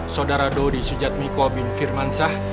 saudara dodi sujad miko bin firman shah